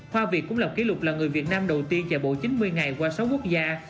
hoa việt cũng làm kỷ lục là người việt nam đầu tiên chờ bộ chín mươi ngày qua sáu quốc gia